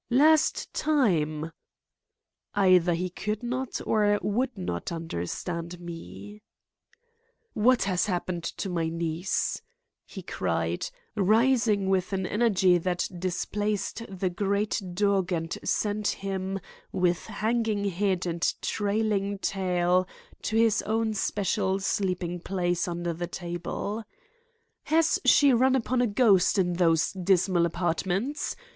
"Last time!" Either he could not or would not understand me. "What has happened to my niece?" he cried, rising with an energy that displaced the great dog and sent him, with hanging head and trailing tail, to his own special sleeping place under the table. "Has she run upon a ghost in those dismal apartments?